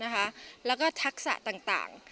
นะคะแล้วก็ทักษะต่าง